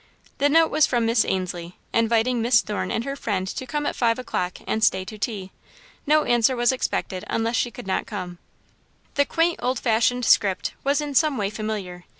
The note was from Miss Ainslie, inviting Miss Thorne and her friend to come at five o'clock and stay to tea. No answer was expected unless she could not come. The quaint, old fashioned script was in some way familiar.